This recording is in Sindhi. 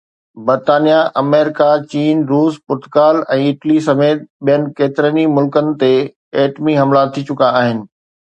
برطانيا، آمريڪا، چين، روس، پرتگال ۽ اٽلي سميت ٻين ڪيترن ئي ملڪن تي ايٽمي حملا ٿي چڪا آهن.